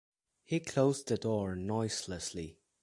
He closed the door noiselessly.